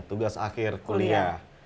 tugas akhir kuliah